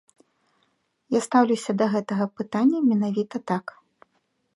Я стаўлюся да гэтага пытання менавіта так.